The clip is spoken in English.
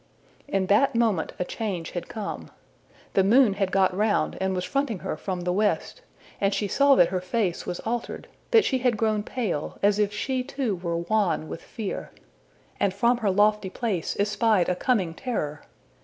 In that moment a change had come. The moon had got round and was fronting her from the west, and she saw that her face was altered, that she had grown pale, as if she too were wan with fear, and from her lofty place espied a coming terror.